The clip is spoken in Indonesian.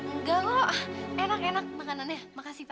enggak lho enak enak makannya makasih